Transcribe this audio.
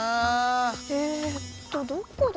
えっとどこだっけ。